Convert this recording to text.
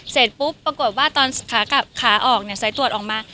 เสร็จปุ๊บปรากฏว่าตอนขากลับขาออกเนี่ยสายตรวจออกมา